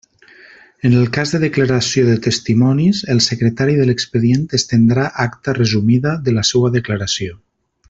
En el cas de declaració de testimonis, el secretari de l'expedient estendrà acta resumida de la seua declaració.